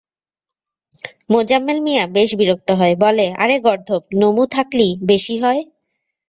মোজাম্মেল মিয়া বেশ বিরক্ত হয়, বলে, আরে গর্ধপ, নমু থাকলি বেশি হয়।